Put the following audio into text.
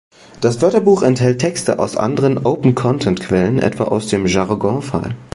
Das Wörterbuch enthält Texte aus anderen Open-Content-Quellen, etwa aus dem Jargon File.